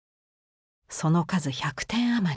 その数１００点余り。